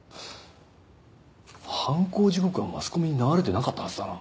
犯行時刻はマスコミに流れてなかったはずだな？